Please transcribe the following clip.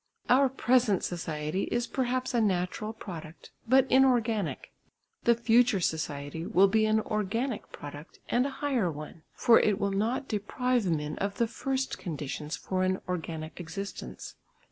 Our present society is perhaps a natural product, but inorganic; the future society will be an organic product and a higher one, for it will not deprive men of the first conditions for an organic existence.